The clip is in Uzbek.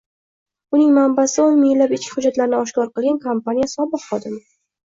Uning manbasi — o‘n minglab ichki hujjatlarni oshkor qilgan kompaniya sobiq xodimi